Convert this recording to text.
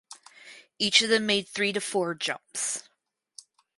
Each of them made three to four jumps.